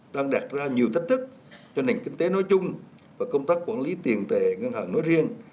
đang đạt ra nhiều thách thức cho nền kinh tế nói chung và công tác quản lý tiền tệ ngân hàng nói riêng